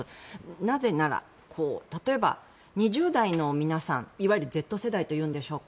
なぜなら例えば、２０代の皆さんいわゆるＺ世代というんでしょうか。